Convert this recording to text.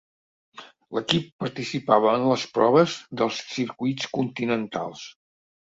L'equip participava en les proves dels circuits continentals.